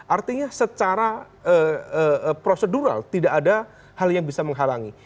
artinya secara prosedural tidak ada hal yang bisa menghalangi